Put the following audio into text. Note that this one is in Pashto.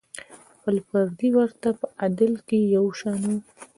خپل پردي ورته په عدل کې یو شان وو.